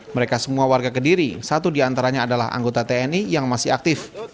mereka semua warga kediri satu diantaranya adalah anggota tni yang masih aktif